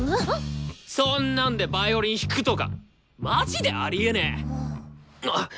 そんなんでヴァイオリン弾くとかマジでありえねえ！